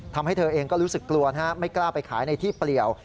ทำให้เธอเองก็รู้สึกกลัวนะฮะไม่กล้าไปขายในที่เปลี่ยว